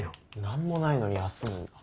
何もないのに休むんだ。